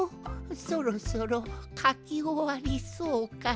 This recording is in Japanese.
そろそろかきおわりそうかの？